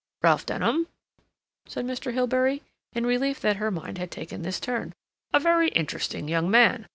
"Ralph Denham?" said Mr. Hilbery, in relief that her mind had taken this turn. "A very interesting young man.